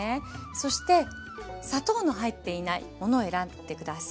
そして砂糖の入っていないものを選んで下さい。